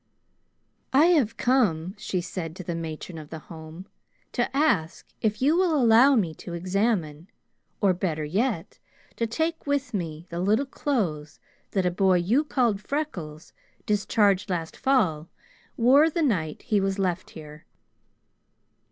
"I have come," she said to the matron of the Home, "to ask if you will allow me to examine, or, better yet, to take with me, the little clothes that a boy you called Freckles, discharged last fall, wore the night he was left here."